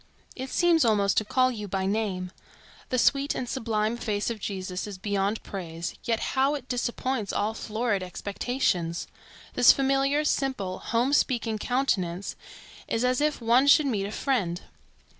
It seems almost to call you by name. The sweet and sublime face of Jesus is beyond praise, yet how it disappoints all florid expectations! This familiar, simple, home speaking countenance is as if one should meet a friend.